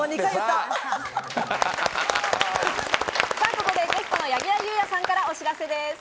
ここでゲストの柳楽優弥さんからお知らせです。